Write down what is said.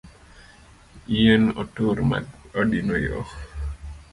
Yien otur ma odino yoo